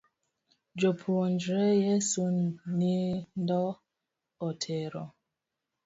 Jopuonjre Yeso nindo otero.